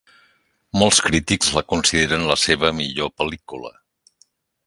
Molts crítics la consideren la seva millor pel·lícula.